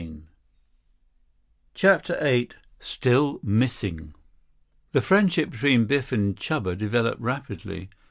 55 CHAPTER VIII Still Missing The friendship between Biff and Chuba developed rapidly.